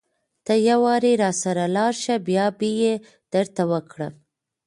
ته يوارې راسره لاړ شه بيا به يې درته وکړم.